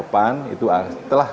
pan itu telah